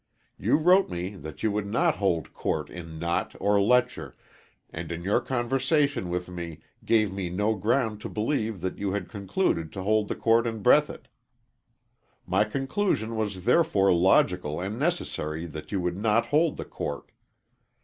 You wrote me that you would not hold court in Knott or Letcher, and in your conversation with me gave me no ground to believe that you had concluded to hold the court in Breathitt. My conclusion was therefore logical and necessary that you would not hold the court.